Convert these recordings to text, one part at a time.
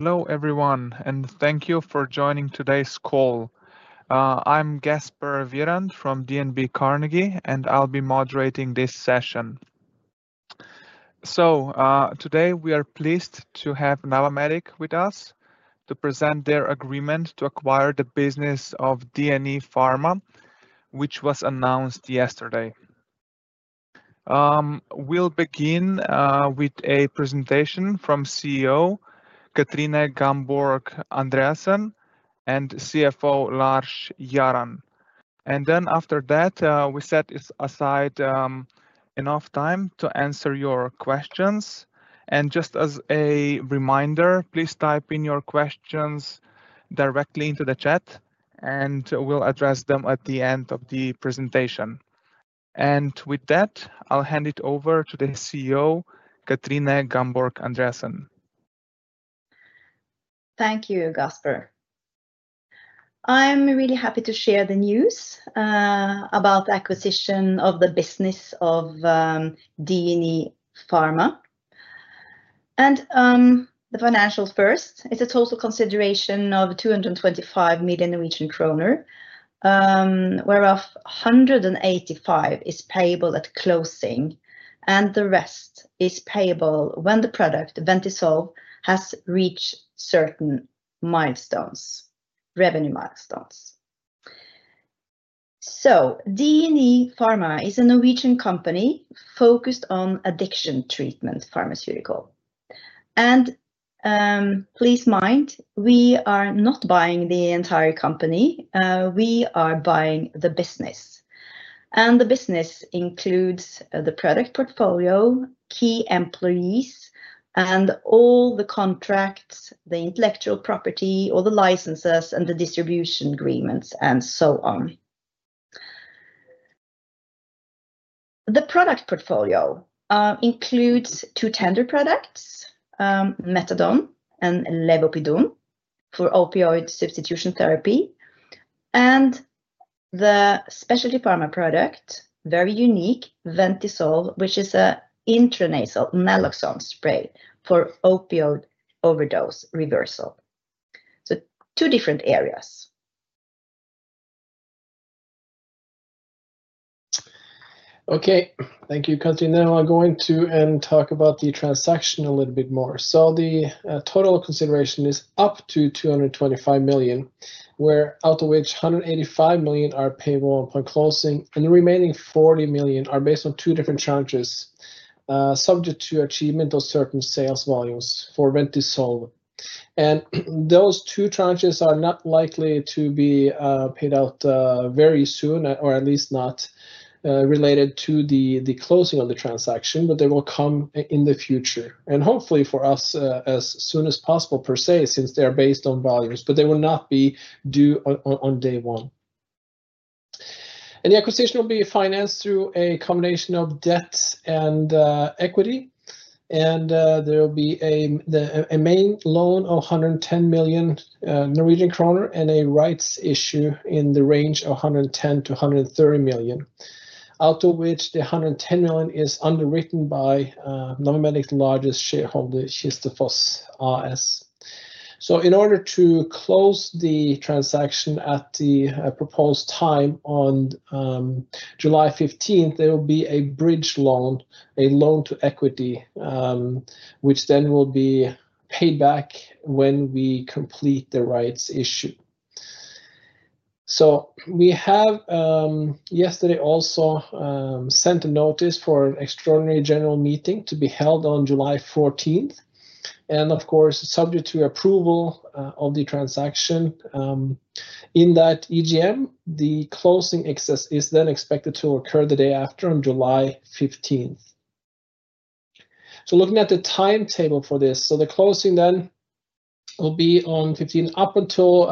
Hello everyone, and thank you for joining today's call. I'm Gasper Virant from DNB Carnegie, and I'll be moderating this session. Today we are pleased to have Navamedic with us to present their agreement to acquire the business of dne Pharma, which was announced yesterday. We'll begin with a presentation from CEO Kathrine Gamborg Andreassen and CFO Lars Hjarrand. After that, we set aside enough time to answer your questions. Just as a reminder, please type in your questions directly into the chat, and we'll address them at the end of the presentation. With that, I'll hand it over to the CEO, Kathrine Gamborg Andreassen. Thank you, Gasper. I'm really happy to share the news about the acquisition of the business of dne Pharma. The financial first is a total consideration of 225 million Norwegian kroner, whereof 185 million is payable at closing, and the rest is payable when the product, the Ventisol, has reached certain revenue milestones. dne Pharma is a Norwegian company focused on addiction treatment pharmaceuticals. Please mind, we are not buying the entire company. We are buying the business. The business includes the product portfolio, key employees, all the contracts, the intellectual property, all the licenses, the distribution agreements, and so on. The product portfolio includes two tender products, Methadone and Levomethadone for opioid substitution therapy, and the specialty pharma product, very unique, Ventisol, which is an intranasal naloxone spray for opioid overdose reversal. Two different areas. Okay, thank you, Kathrine. Now I'm going to talk about the transaction a little bit more. The total consideration is up to 225 million, out of which 185 million are payable upon closing, and the remaining 40 million are based on two different charges, subject to achievement of certain sales volumes for Ventisol. Those two charges are not likely to be paid out very soon, or at least not related to the closing of the transaction, but they will come in the future. Hopefully for us, as soon as possible per se, since they are based on volumes, but they will not be due on day one. The acquisition will be financed through a combination of debt and equity. There will be a main loan of 110 million Norwegian kroner, and a rights issue in the range of 110-130 million, out of which the 110 million is underwritten by Navamedic's largest shareholder, Histofoss AS. In order to close the transaction at the proposed time on July 15th, there will be a bridge loan, a loan to equity, which then will be paid back when we complete the rights issue. We have yesterday also sent a notice for an extraordinary general meeting to be held on July 14th, and of course, subject to approval of the transaction in that EGM, the closing is then expected to occur the day after on July 15th. Looking at the timetable for this, the closing then will be on the 15th. Up until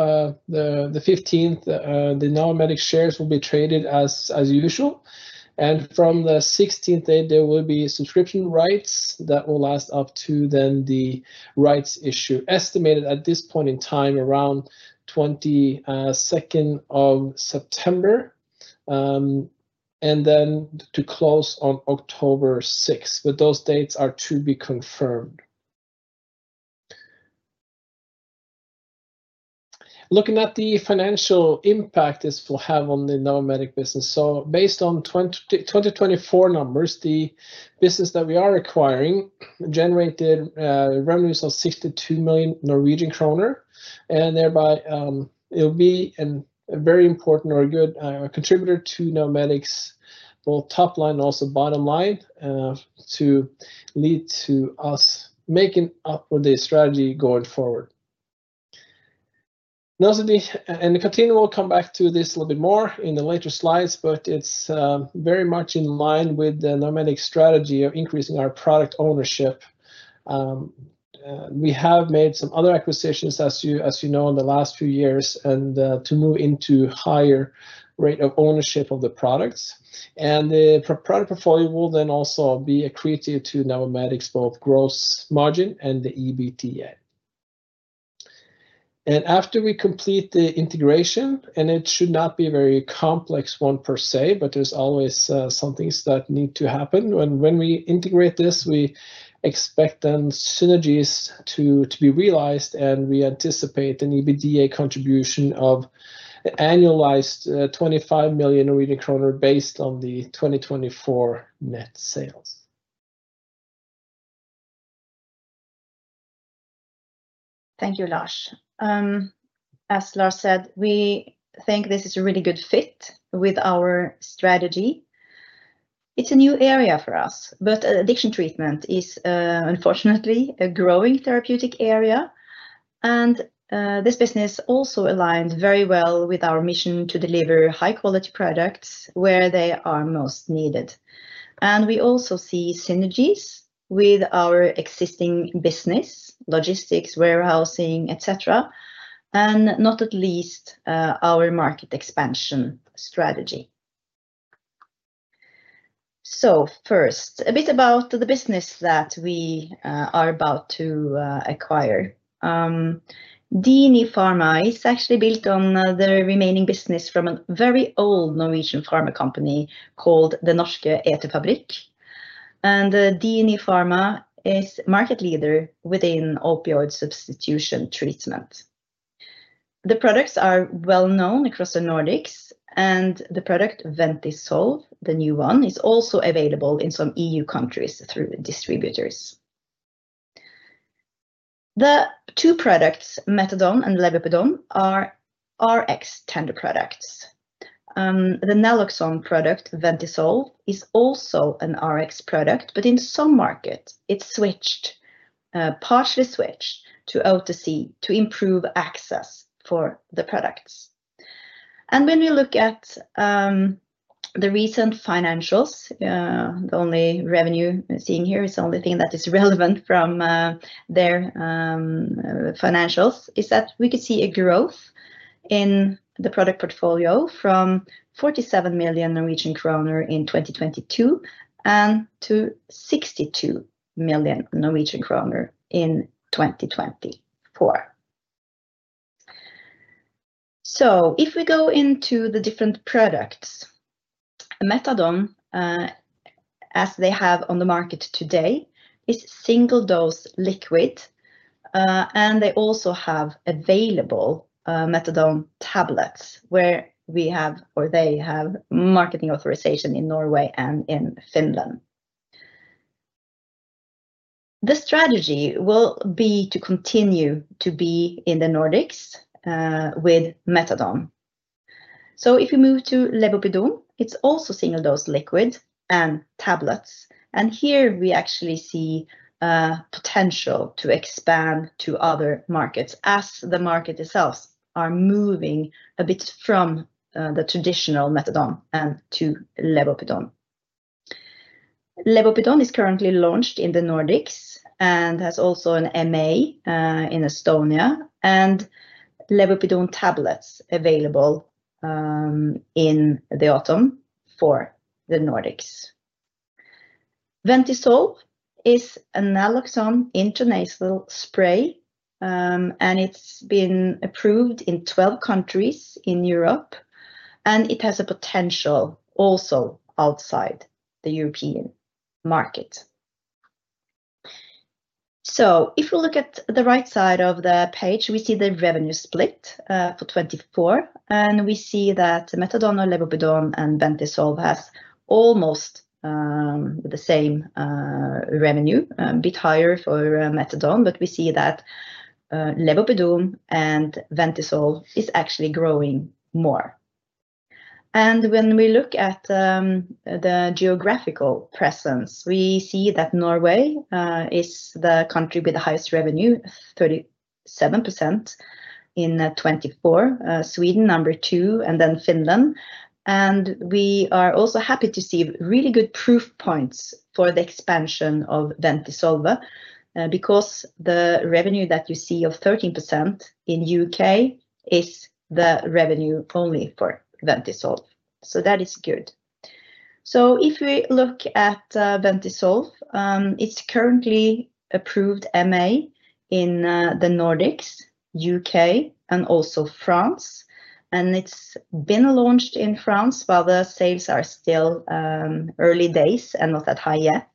the 15th, the Navamedic shares will be traded as usual. From the 16th date, there will be subscription rights that will last up to then the rights issue, estimated at this point in time around 22nd of September, and then to close on October 6th. Those dates are to be confirmed. Looking at the financial impact this will have on the Navamedic business. Based on 2024 numbers, the business that we are acquiring generated revenues of 62 million Norwegian kroner, and thereby, it'll be a very important or a good contributor to Navamedic's both top line and also bottom line, to lead to us making up for the strategy going forward. Kathrine will come back to this a little bit more in the later slides, but it's very much in line with the Navamedic strategy of increasing our product ownership. We have made some other acquisitions, as you know, in the last few years, to move into higher rate of ownership of the products. The product portfolio will then also be accretive to Navamedic's both gross margin and the EBITDA. After we complete the integration, and it should not be a very complex one per se, but there are always some things that need to happen. When we integrate this, we expect synergies to be realized, and we anticipate an EBITDA contribution of annualized 25 million Norwegian kroner based on the 2024 net sales. Thank you, Lars. As Lars said, we think this is a really good fit with our strategy. It's a new area for us, but addiction treatment is, unfortunately, a growing therapeutic area. This business also aligns very well with our mission to deliver high-quality products where they are most needed. We also see synergies with our existing business, logistics, warehousing, etc., and not at least, our market expansion strategy. First, a bit about the business that we are about to acquire. dne Pharma is actually built on the remaining business from a very old Norwegian pharma company called Den norske Eterfabrikk, and dne Pharma is a market leader within opioid substitution treatment. The products are well known across the Nordics, and the product Ventisol, the new one, is also available in some EU countries through distributors. The two products, Methadone and Levomethadone, are Rx tender products. The naloxone product, Ventisol, is also an Rx product, but in some markets, it's switched, partially switched to OTC to improve access for the products. When you look at the recent financials, the only revenue seen here is the only thing that is relevant from their financials, is that we could see a growth in the product portfolio from 47 million Norwegian kroner in 2022 and to 62 million Norwegian kroner in 2024. If we go into the different products, Methadone, as they have on the market today, is single-dose liquid, and they also have available Methadone tablets, where we have, or they have, marketing authorization in Norway and in Finland. The strategy will be to continue to be in the Nordics, with Methadone. If we move to Levomethadone, it's also single-dose liquid and tablets, and here we actually see a potential to expand to other markets as the market itself is moving a bit from the traditional Methadone and to Levomethadone. Levomethadone is currently launched in the Nordics and has also an MA in Estonia, and Levomethadone tablets are available in the autumn for the Nordics. Ventisol is a naloxone intranasal spray, and it's been approved in 12 countries in Europe, and it has a potential also outside the European market. If we look at the right side of the page, we see the revenue split for 2024, and we see that Methadone, Levomethadone, and Ventisol have almost the same revenue, a bit higher for Methadone, but we see that Levomethadone and Ventisol are actually growing more. When we look at the geographical presence, we see that Norway is the country with the highest revenue, 37% in 2024, Sweden number two, and then Finland. We are also happy to see really good proof points for the expansion of Ventisol, because the revenue that you see of 13% in the U.K. is the revenue only for Ventisol. That is good. If we look at Ventisol, it is currently approved MA in the Nordics, U.K., and also France, and it has been launched in France, but the sales are still early days and not that high yet.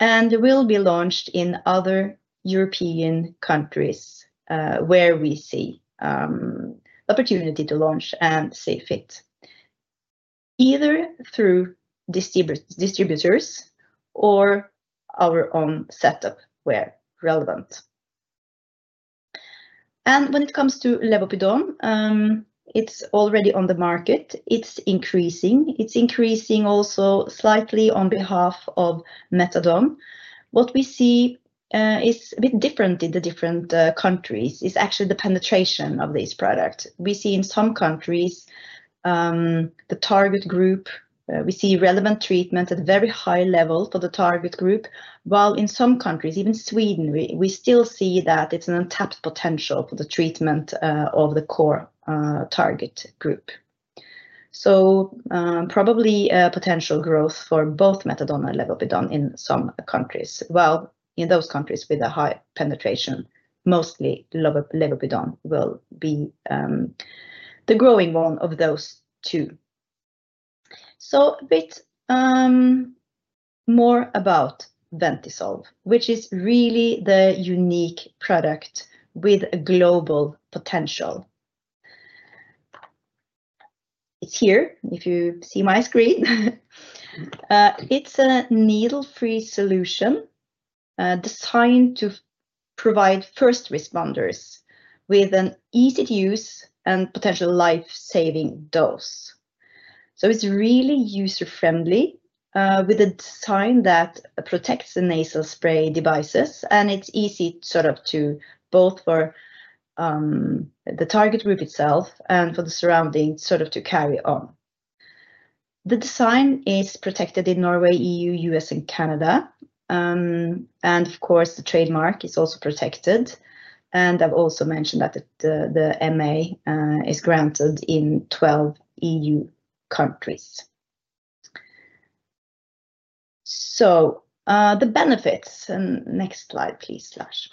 It will be launched in other European countries, where we see opportunity to launch and see fit, either through distributors or our own setup where relevant. When it comes to Levomethadone, it is already on the market. It is increasing. It is increasing also slightly on behalf of Methadone. What we see is a bit different in the different countries is actually the penetration of this product. We see in some countries, the target group, we see relevant treatment at a very high level for the target group, while in some countries, even Sweden, we still see that it's an untapped potential for the treatment of the core target group. Probably, potential growth for both Methadone and Levomethadone in some countries, while in those countries with a high penetration, mostly Levomethadone will be the growing one of those two. A bit more about Ventisol, which is really the unique product with a global potential. It's here, if you see my screen. It's a needle-free solution, designed to provide first responders with an easy-to-use and potential life-saving dose. It's really user-friendly, with a design that protects the nasal spray devices, and it's easy sort of to both for the target group itself and for the surroundings sort of to carry on. The design is protected in Norway, EU, U.S., and Canada, and of course, the trademark is also protected, and I've also mentioned that the MA is granted in 12 EU countries. The benefits, and next slide please, Lars.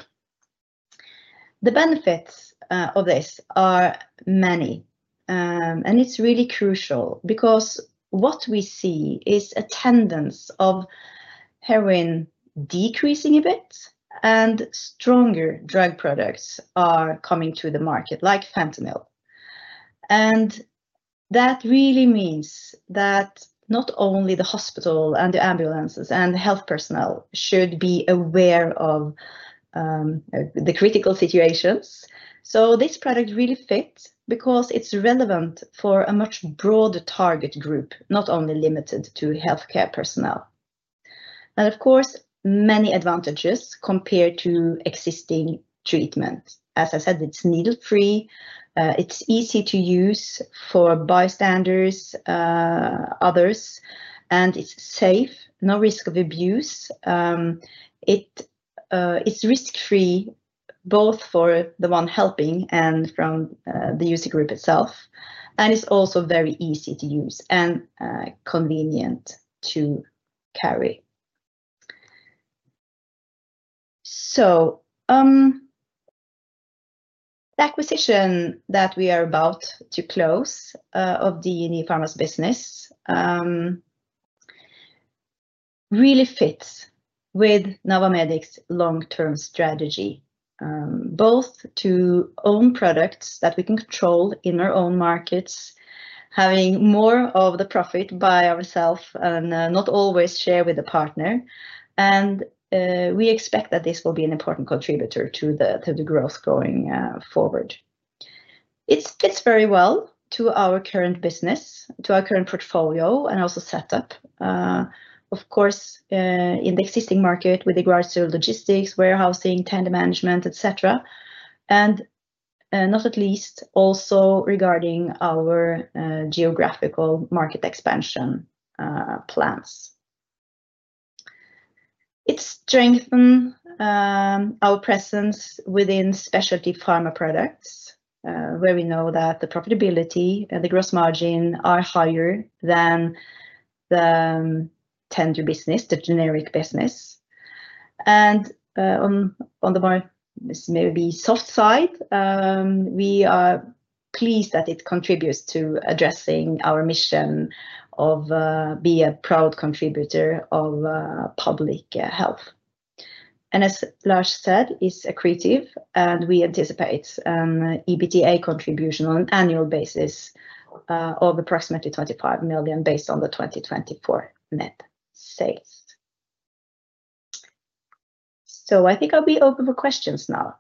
The benefits of this are many, and it's really crucial because what we see is a tendence of heroin decreasing a bit, and stronger drug products are coming to the market, like fentanyl. That really means that not only the hospital and the ambulances and the health personnel should be aware of the critical situations. This product really fits because it's relevant for a much broader target group, not only limited to healthcare personnel. Of course, many advantages compared to existing treatments. As I said, it's needle-free, it's easy to use for bystanders, others, and it's safe, no risk of abuse. It is risk-free both for the one helping and from the user group itself, and it's also very easy to use and convenient to carry. The acquisition that we are about to close, of the dne Pharma business, really fits with Navamedic's long-term strategy, both to own products that we can control in our own markets, having more of the profit by ourself and not always share with a partner. We expect that this will be an important contributor to the growth going forward. It fits very well to our current business, to our current portfolio and also setup. Of course, in the existing market with regards to logistics, warehousing, tender management, etc., and, not at least also regarding our geographical market expansion plans. It strengthens our presence within specialty pharma products, where we know that the profitability and the gross margin are higher than the tender business, the generic business. On the more maybe soft side, we are pleased that it contributes to addressing our mission of being a proud contributor of public health. As Lars said, it's accretive, and we anticipate an EBITDA contribution on an annual basis of approximately 25 million based on the 2024 net sales. I think I'll be open for questions now.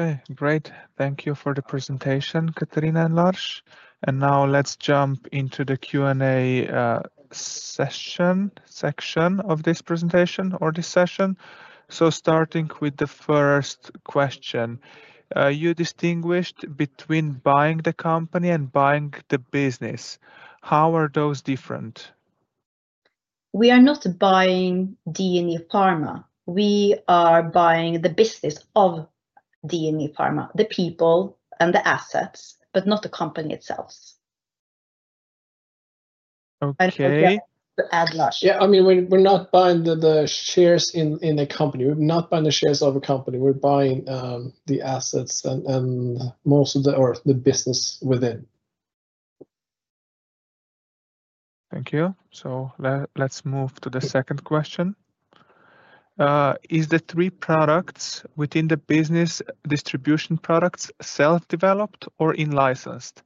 Okay, great. Thank you for the presentation, Kathrine and Lars. Now let's jump into the Q&A session section of this presentation or this session. Starting with the first question, you distinguished between buying the company and buying the business. How are those different? We are not buying dne Pharma. We are buying the business of dne Pharma, the people and the assets, but not the company itself. Okay. And Lars. Yeah, I mean, we're not buying the shares in the company. We're not buying the shares of a company. We're buying the assets and most of the, or the business within. Thank you. Let's move to the second question. Is the three products within the business distribution products self-developed or in licensed?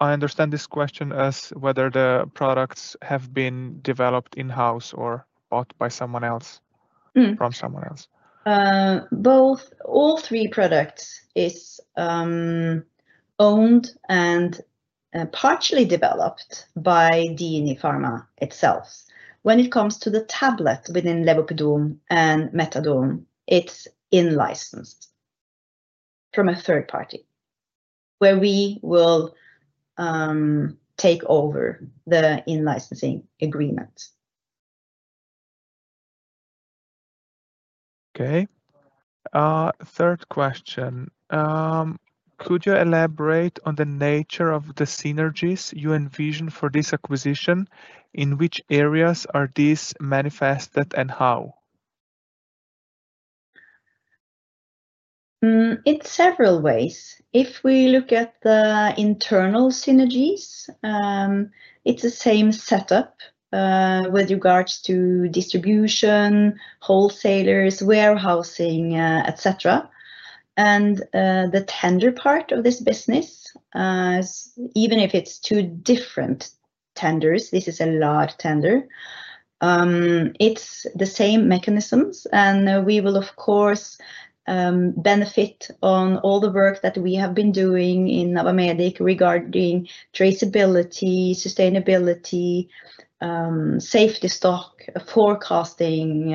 I understand this question as whether the products have been developed in-house or bought by someone else, from someone else. Both, all three products, is owned and partially developed by dne Pharma itself. When it comes to the tablet within Levomethadone and Methadone, it's in license from a third party where we will take over the in-licensing agreement. Okay. Third question. Could you elaborate on the nature of the synergies you envision for this acquisition? In which areas are these manifested and how? It's several ways. If we look at the internal synergies, it's the same setup, with regards to distribution, wholesalers, warehousing, etc. The tender part of this business, even if it's two different tenders, this is a large tender, it's the same mechanisms, and we will, of course, benefit on all the work that we have been doing in Navamedic regarding traceability, sustainability, safety stock, forecasting,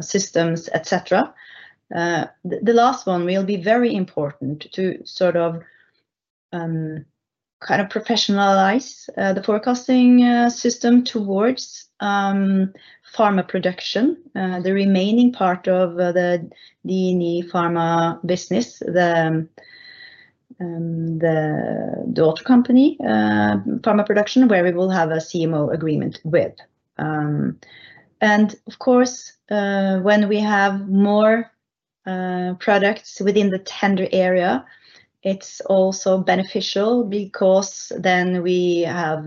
systems, etc. The last one will be very important to sort of, kind of professionalize the forecasting system towards Pharma Production. The remaining part of the dne Pharma business, the daughter company, Pharma Production, where we will have a CMO agreement with. Of course, when we have more products within the tender area, it's also beneficial because then we have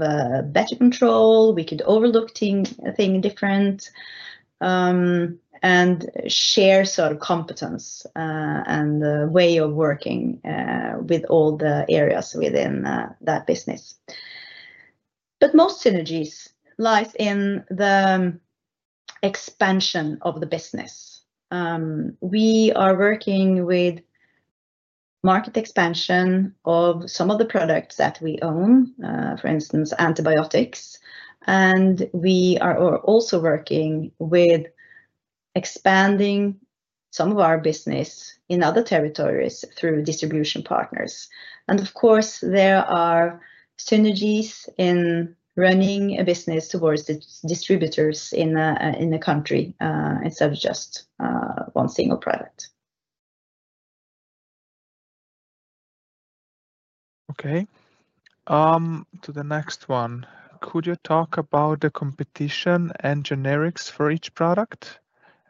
better control, we could overlook things, think different, and share sort of competence and the way of working with all the areas within that business. Most synergies lie in the expansion of the business. We are working with market expansion of some of the products that we own, for instance, antibiotics, and we are also working with expanding some of our business in other territories through distribution partners. There are synergies in running a business towards the distributors in the country, instead of just one single product. Okay. To the next one. Could you talk about the competition and generics for each product?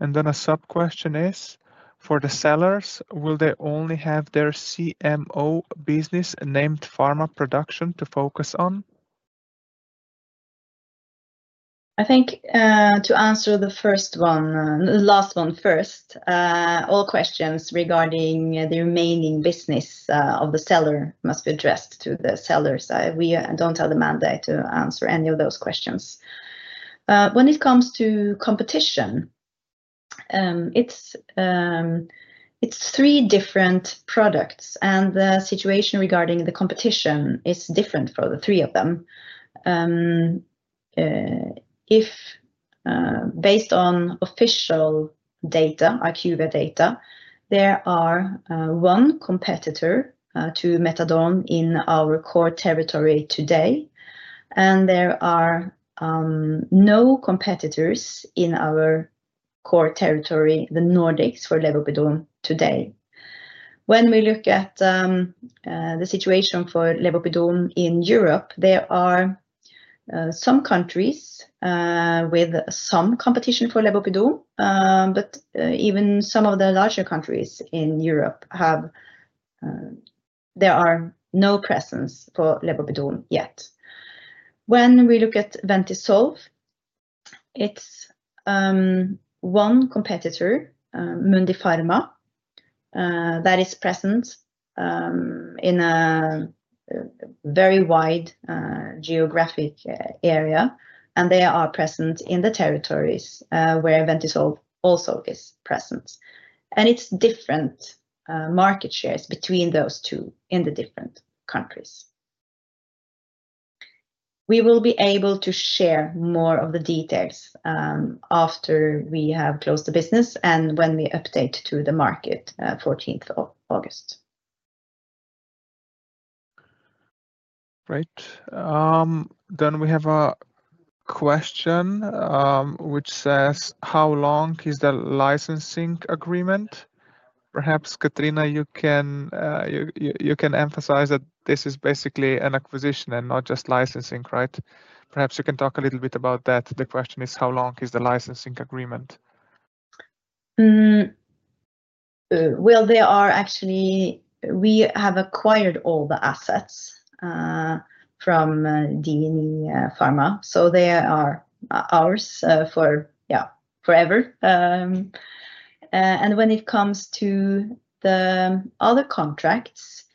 A sub-question is, for the sellers, will they only have their CMO business named Pharma Production to focus on? I think, to answer the first one, the last one first, all questions regarding the remaining business of the seller must be addressed to the sellers. We don't have the mandate to answer any of those questions. When it comes to competition, it's three different products, and the situation regarding the competition is different for the three of them. If, based on official data, IQVIA data, there is one competitor to Methadone in our core territory today, and there are no competitors in our core territory, the Nordics, for Levomethadone today. When we look at the situation for Levomethadone in Europe, there are some countries with some competition for Levomethadone, but even some of the larger countries in Europe have, there is no presence for Levomethadone yet. When we look at Ventisol, it's one competitor, Mundipharma, that is present in a very wide geographic area, and they are present in the territories where Ventisol also is present. It's different market shares between those two in the different countries. We will be able to share more of the details after we have closed the business and when we update to the market, 14th of August. Great. Then we have a question, which says, how long is the licensing agreement? Perhaps, Kathrine, you can, you can emphasize that this is basically an acquisition and not just licensing, right? Perhaps you can talk a little bit about that. The question is, how long is the licensing agreement? There are actually, we have acquired all the assets from dne Pharma, so they are ours, for, yeah, forever. When it comes to the other contracts,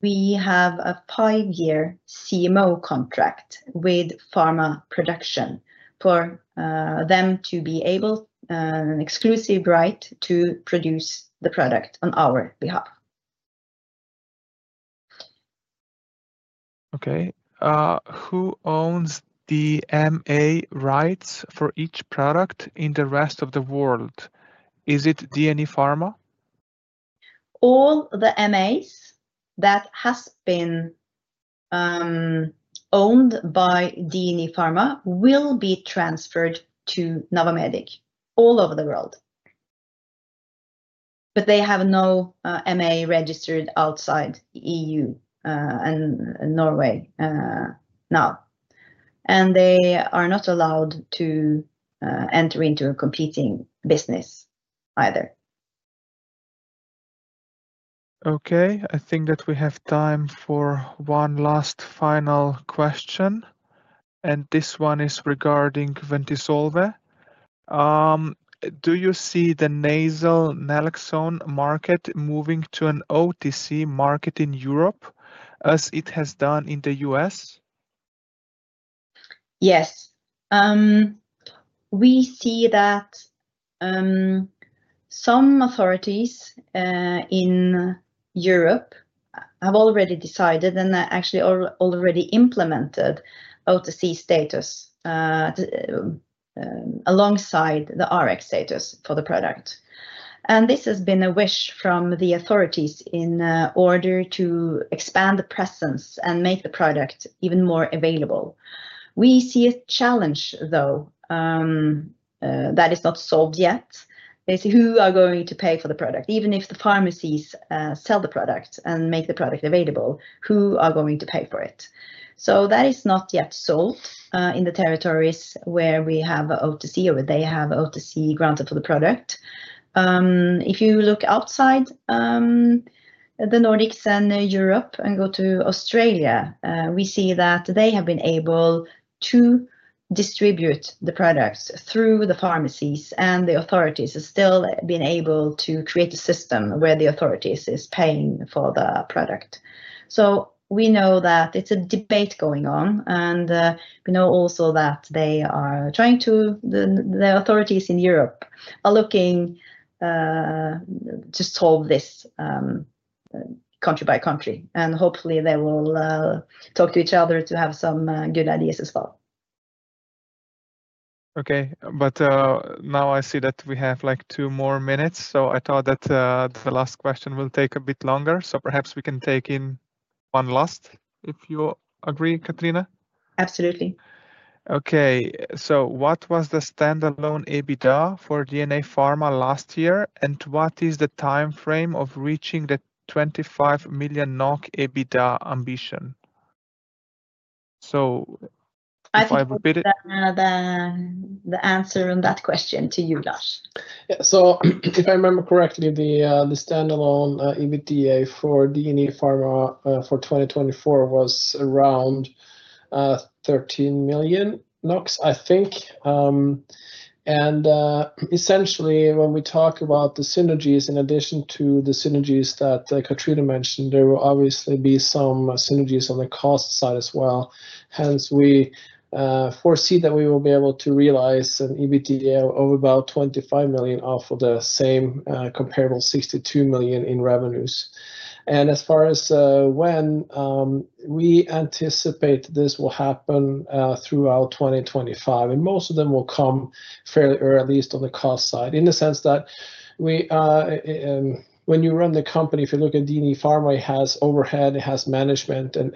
we have a five-year CMO contract with Pharma Production for them to be able, an exclusive right to produce the product on our behalf. Okay. Who owns the MA rights for each product in the rest of the world? Is it dne Pharma? All the MAs that have been owned by dne Pharma will be transferred to Navamedic all over the world. They have no MA registered outside the European Union and Norway now. They are not allowed to enter into a competing business either. Okay. I think that we have time for one last final question. And this one is regarding Ventisol. Do you see the nasal naloxone market moving to an OTC market in Europe as it has done in the US? Yes. We see that some authorities in Europe have already decided and actually already implemented OTC status, alongside the Rx status for the product. This has been a wish from the authorities in order to expand the presence and make the product even more available. We see a challenge, though, that is not solved yet. It's who is going to pay for the product. Even if the pharmacies sell the product and make the product available, who is going to pay for it? That is not yet solved in the territories where we have OTC or they have OTC granted for the product. If you look outside the Nordics and Europe and go to Australia, we see that they have been able to distribute the products through the pharmacies, and the authorities have still been able to create a system where the authorities are paying for the product. We know that it's a debate going on, and we know also that they are trying to, the authorities in Europe are looking to solve this, country by country, and hopefully they will talk to each other to have some good ideas as well. Okay. Now I see that we have like two more minutes, so I thought that the last question will take a bit longer, so perhaps we can take in one last if you agree, Kathrine. Absolutely. Okay. What was the standalone EBITDA for dne Pharma last year, and what is the timeframe of reaching the 25 million NOK EBITDA ambition? I've repeated. I think that's the answer on that question to you, Lars. Yeah. If I remember correctly, the standalone EBITDA for dne Pharma for 2024 was around 13 million NOK, I think. Essentially, when we talk about the synergies, in addition to the synergies that Kathrine mentioned, there will obviously be some synergies on the cost side as well. Hence, we foresee that we will be able to realize an EBITDA of about 25 million off of the same comparable 62 million in revenues. As far as when we anticipate this will happen, throughout 2025, and most of them will come fairly early, at least on the cost side, in the sense that when you run the company, if you look at dne Pharma, it has overhead, it has management, and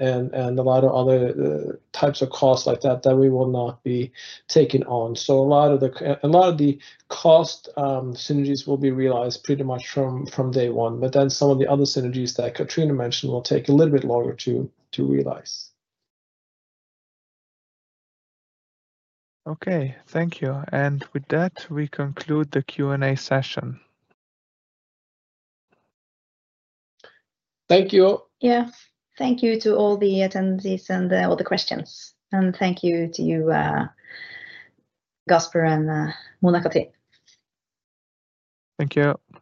a lot of other types of costs like that, that we will not be taking on. A lot of the cost synergies will be realized pretty much from day one, but then some of the other synergies that Kathrine mentioned will take a little bit longer to realize. Okay. Thank you. With that, we conclude the Q&A session. Thank you. Yeah. Thank you to all the attendees and all the questions. And thank you to you, Gasper and, Monacate. Thank you. Bye.